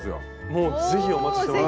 もうぜひお持ちしてます。